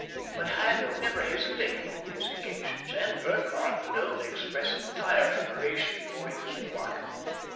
But Haddo never hesitated on these occasions, and Burkhardt could only express entire admiration for his pluck.